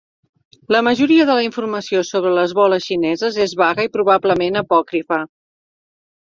La majoria de la informació sobre les boles xineses és vaga i probablement apòcrifa.